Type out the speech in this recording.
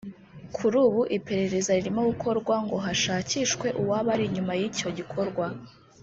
kuri ubu iperereza ririmo gukorwa ngo hashakishwe uwaba ari inyuma y’icyo gikorwa